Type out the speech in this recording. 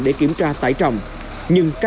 để kiểm tra tải trọng